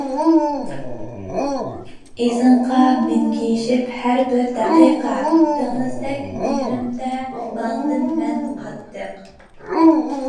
ئىزىڭغا مىنگىشىپ ھەربىر دەقىقە، دېڭىزدەك مېھرىمدە ماڭدىم مەن قاتتىق.